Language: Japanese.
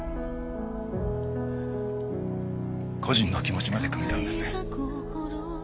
故人の気持ちまでくみ取るんですね。